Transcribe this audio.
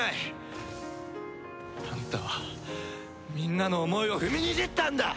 あんたはみんなの思いを踏みにじったんだ！